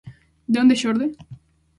De onde xorde?